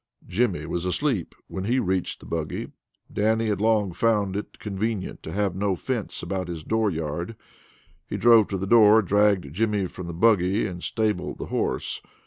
Jimmy was asleep when he reached the buggy. Dannie had long since found it convenient to have no fence about his dooryard. He drove to the door, dragged Jimmy from the buggy, and stabled the horse.